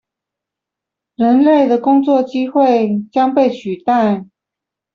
人類的工作機會將被取代？